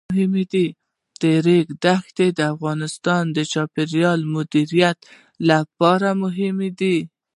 د ریګ دښتې د افغانستان د چاپیریال د مدیریت لپاره مهم دي.